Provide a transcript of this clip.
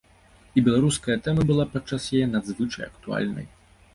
І беларуская тэма была падчас яе надзвычай актуальнай.